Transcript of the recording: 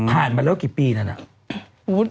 ผ่านมันแล้วกี่ปีครับ